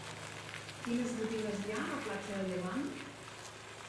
Quines botigues hi ha a la platja del Llevant?